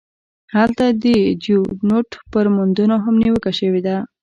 هلته د چینوت پر موندنو هم نیوکه شوې ده.